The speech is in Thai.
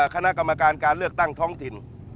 คณะกรรมการการเลือกตั้งท้องถิ่น